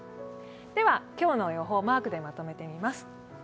では今日の予報をマークでまとめてみます。